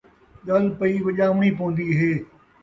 ڳل پئی وڄاوݨی پون٘دی ہے